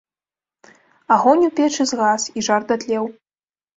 Агонь у печы згас, і жар датлеў.